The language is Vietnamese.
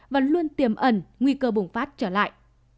và luôn tiềm ẩn nguy cơ bùng phát trở lại